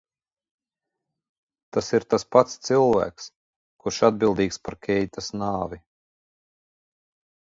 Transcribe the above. Tas ir tas pats cilvēks, kurš atbildīgs par Keitas nāvi?